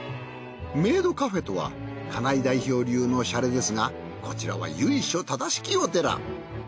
メイドカフェとは金井代表流のシャレですがこちらは由緒正しきお寺。